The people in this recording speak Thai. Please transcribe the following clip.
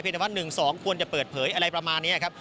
แต่ว่า๑๒ควรจะเปิดเผยอะไรประมาณนี้ครับ